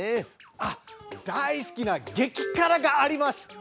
あっ大好きなげきからがあります。